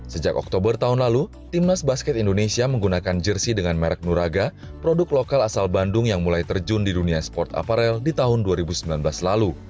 sejak oktober tahun lalu timnas basket indonesia menggunakan jersi dengan merek nuraga produk lokal asal bandung yang mulai terjun di dunia sport aparel di tahun dua ribu sembilan belas lalu